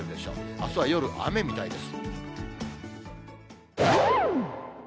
あすは夜、雨みたいです。